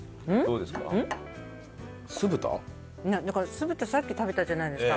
酢豚さっき食べたじゃないですか。